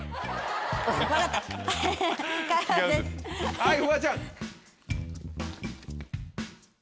はいフワちゃん。